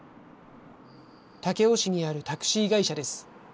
武雄市にあるタクシー会社です。